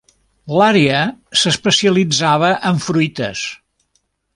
L"àrea s"especialitzava en fruites.